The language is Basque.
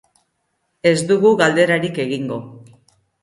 Ez dugu galderarik egingo.